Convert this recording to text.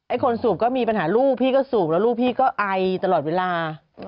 คนสูบก็มีปัญหาลูกพี่ก็สูบแล้วลูกพี่ก็ไอตลอดเวลา